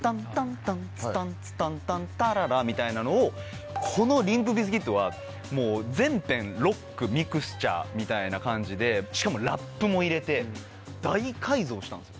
タンツタンツタンタンタララみたいなのをこのリンプ・ビズキットは全編ロック・ミクスチャーみたいな感じでしかもラップも入れて大改造したんですよ。